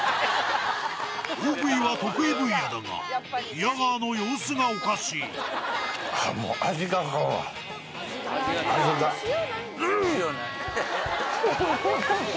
大食いは得意分野だが宮川の様子がおかしい味がうぅ！